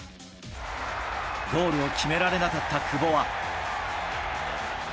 ゴールを決められなかった久保は。